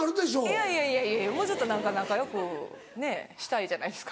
いやいやいやいやもうちょっと仲良くしたいじゃないですか。